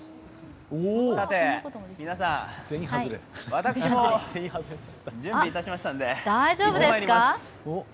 皆さん、私も準備いたしましたんでまいります。